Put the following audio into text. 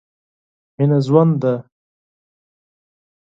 مينه ژوند ده.